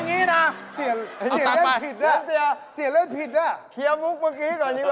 คลับไป